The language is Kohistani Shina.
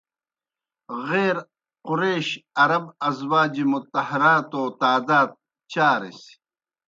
غیر قُریش عرب ازواج مطہراتوْ تعداد چارِس۔